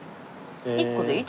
１個でいい？